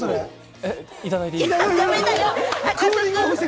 いただいていいですか？